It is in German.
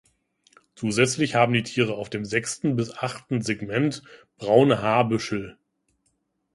Zusätzlich haben die Tiere auf dem sechsten bis achten Segment braune Haarbüschel.